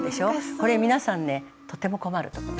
これ皆さんねとても困るところ。